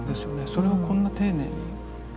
それをこんな丁寧に。